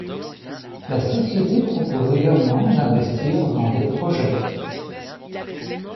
La société propose également d'investir dans des projets.